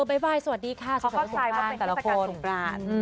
บ๊ายบายสวัสดีค่ะ